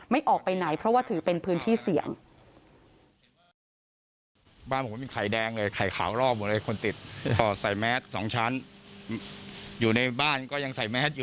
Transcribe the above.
ออกไปไหนเพราะว่าถือเป็นพื้นที่เสี่ยง